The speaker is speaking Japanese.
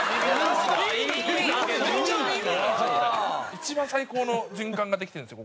一番最高の循環ができてるんですよ